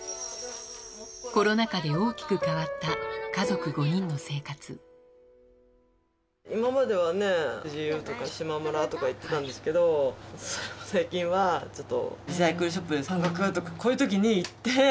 コロナ禍で大きく変わった家今まではね、ＧＵとかしまむらとか行ってたんですけど、それも最近はリサイクルショップで半額とか、こういうときに行って。